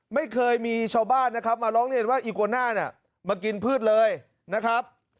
ไม่เคยมีชาวบ้านนะครับมาร้องเรียนว่าอีโกน่าเนี่ยมากินพืชเลยนะครับ